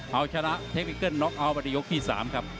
เอาชนะเทกเฟิกเกิ้ลน็อกเอาจะถึงยกที่สามครับ